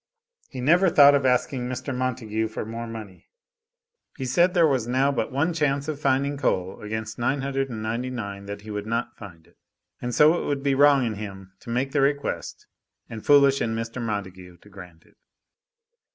He never thought of asking Mr. Montague for more money. He said there was now but one chance of finding coal against nine hundred and ninety nine that he would not find it, and so it would be wrong in him to make the request and foolish in Mr. Montague to grant it.